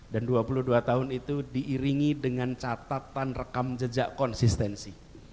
dan dua puluh dua tahun itu diiringi dengan catatan rekam jejak konsistensi